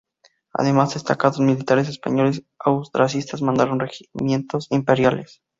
Además destacados militares españoles austracistas mandaron regimientos imperiales.